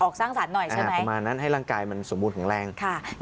ประมาณนั้นให้ร่างกายมันสมบูรณ์คือแข็งแรง